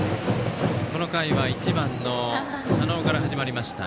この回は１番の加納から始まりました。